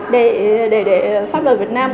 để pháp luật việt nam